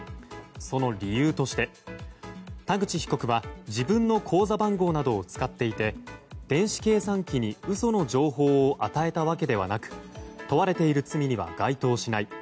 その理由として田口被告は自分の口座番号などを使っていて、電子計算機に嘘の情報を与えたわけではなく問われている罪には該当しない。